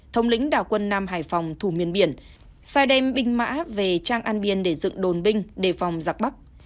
thống lĩnh đảo quân nam hải phòng thủ miền biển sai đem binh mã về trang an biên để dựng đồn binh đề phòng giặc bắc